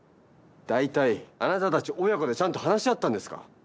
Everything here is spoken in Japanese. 大体あなたたち親子でちゃんと話し合ったんですか？